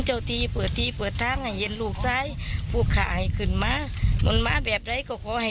ก็ได้ทำพิธีที่พวกเขาคิดว่าจะสามารถช่วยให้ลูกหลานของเขากลับมาอย่างปลอดภัยครับ